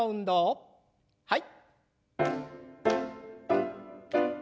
はい。